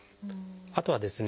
あとはですね